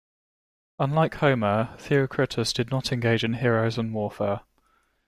Unlike Homer, Theocritus did not engage in heroes and warfare.